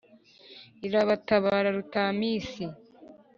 irabatabara rutamisi